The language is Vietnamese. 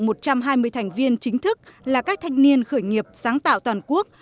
hành trình thành viên chính thức là các thanh niên khởi nghiệp sáng tạo toàn quốc